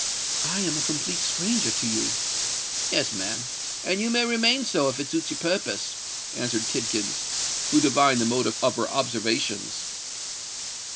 "I am a complete stranger to you——" "Yes, ma'am: and you may remain so, if it suits your purpose," answered Tidkins, who divined the motive of her observations.